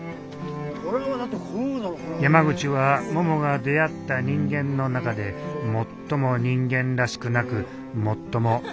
山口はももが出会った人間の中で最も人間らしくなく最も人間らしかった。